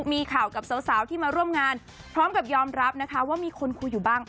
มีข่าวกับสาวที่มาร่วมงานพร้อมกับยอมรับนะคะว่ามีคนคุยอยู่บ้าง